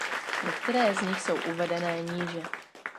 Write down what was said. Některé z nich jsou uvedené níže.